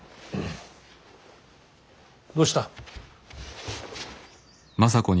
どうした。